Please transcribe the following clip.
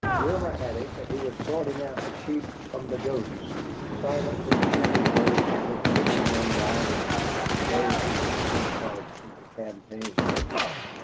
Rumor had it that he was sorting out the sheep from the goats, silently choosing those who were to remain on the island and those who were to take part in the campaign.